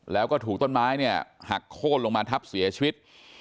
แล้วก็ถูกต้นไม้เนี่ยหักโค้นลงมาทับเสียชีวิต